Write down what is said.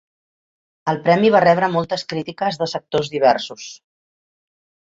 El premi va rebre moltes crítiques de sectors diversos.